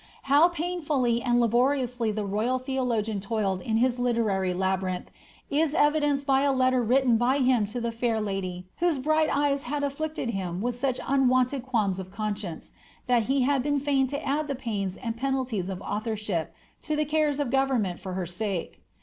How pain fully and laboriously the royal theologian toiled in this literary labyrinth is evidenced by a letter written by himself to the fair lady whose bright eyes had afflicted him with such unwonted qualms of conscience, that he had been fain to add the pains and penalties of authorship to the cares of government for her sake.